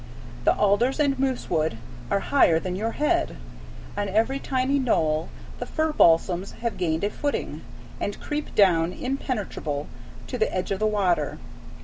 The alders and moosewood are higher than your head; on every tiny knoll the fir balsams have gained a footing, and creep down, impenetrable, to the edge of the water.